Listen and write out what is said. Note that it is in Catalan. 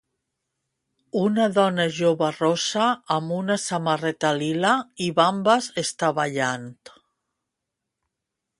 Una dona jova rossa amb una samarreta lila i bambes està ballant.